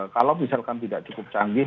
kalau misalkan tidak cukup canggih